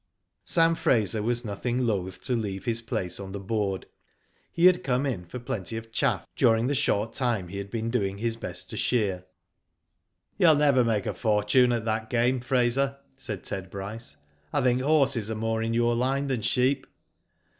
Sam Fraser, was nothing loth to leave his place on the board. He had come in for plenty of chaff during the short time he had been doing his best to shear. *' You'll never make a fortune at that game Eraser," said Ted Bryce. " I think horses are more in your line than sheep."